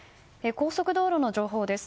高速道路の情報です。